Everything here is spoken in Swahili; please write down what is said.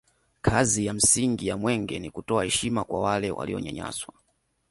kazi ya msingi ya mwenge ni kutoa heshima kwa wale walionyanyaswa